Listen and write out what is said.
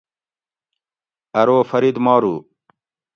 ارو فرید مارُو